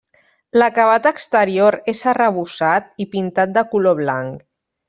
L'acabat exterior és arrebossat i pintat de color blanc.